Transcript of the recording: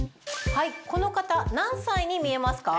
この方何歳に見えますか？